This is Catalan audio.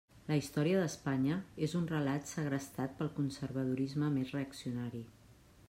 La història d'Espanya és un relat segrestat pel conservadorisme més reaccionari.